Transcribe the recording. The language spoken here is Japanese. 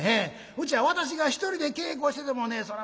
うちは私が一人で稽古しててもねそら